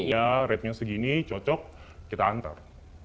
iya rate nya segini cocok kita antar